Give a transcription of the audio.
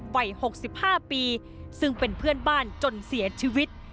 วัย๖๕ปีซึ่งเป็นเพื่อนบ้านจนเสียชีวิต